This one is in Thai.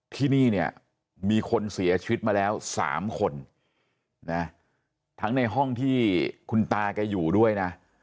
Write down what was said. ที่นี่เนี่ยมีคนเสียชีวิตมาแล้ว๓คนนะทั้งในห้องที่คุณตาแกอยู่ด้วยนะ